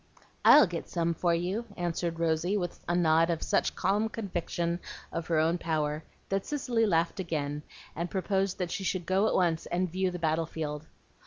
"I'll get some for you," answered Rosy, with a nod of such calm conviction of her own power, that Cicely laughed again, and proposed that she should go at once and view the battle field.